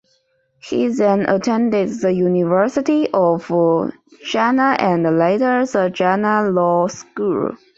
He then attended the University of Ghana and later the Ghana Law School.